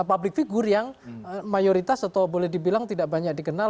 public figure yang mayoritas atau boleh dibilang tidak banyak dikenal